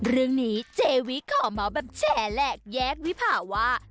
เรื่องนี้เจวิขอเมาส์แบบแฉแหลกแยกวิภาว่า